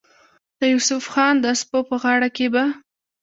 د يوسف خان د سپو پۀ غاړه کښې به